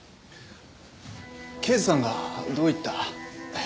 刑事さんがどういった？